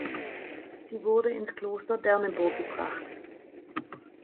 Sie wurde ins Kloster Derneburg gebracht.